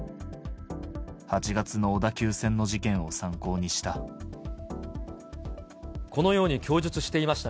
８月の小田急線の事件を参考にした。